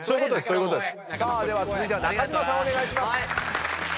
さあでは続いては中島さんお願いします。